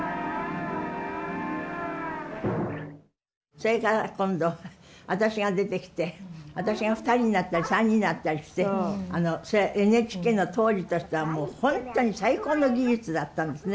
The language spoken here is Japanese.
それから今度私が出てきて私が２人になったり３人になったりしてそれはＮＨＫの当時としては本当に最高の技術だったんですね。